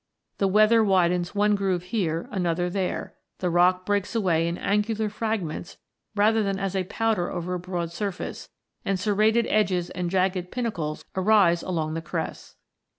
The weather widens one groove here, another there ; the rock breaks away in angular fragments rather than as a powder over a broad surface, and serrated edges and jagged pinnacles arise along the crests.